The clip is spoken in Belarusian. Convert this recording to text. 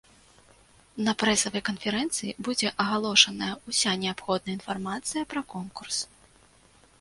На прэсавай канферэнцыі будзе агалошаная ўся неабходная інфармацыя пра конкурс.